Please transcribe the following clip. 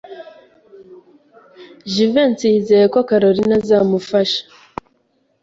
Jivency yizeye ko Kalorina azamufasha.